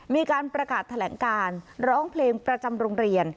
มีการประกาศแถลงการร้องเพลงประจำโรงเรียน